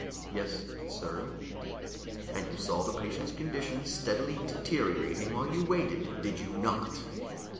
"Yes, sir." "And you saw the patient's condition steadily deteriorating while you waited, did you not?"